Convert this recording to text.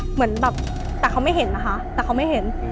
เหมือนแบบแต่เขาไม่เห็นนะคะแต่เขาไม่เห็น